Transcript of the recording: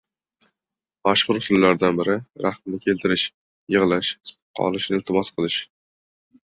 Mashhur usullardan biri – rahmni keltirish: yig‘lash, qolishini iltimos qilish.